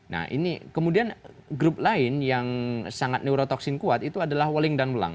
nah ini kemudian grup lain yang sangat neurotoksin kuat itu adalah wuling dan ulang